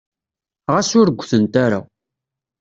Ɣas ur gtent ara.